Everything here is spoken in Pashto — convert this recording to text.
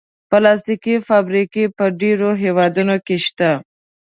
پلاستيکي فابریکې په ډېرو هېوادونو کې شته.